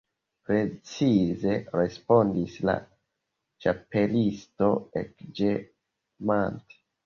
"Precize," respondis la Ĉapelisto, ekĝemante.